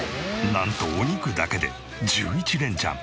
なんとお肉だけで１１連チャン。